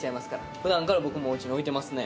普段から僕もおうちに置いてますね。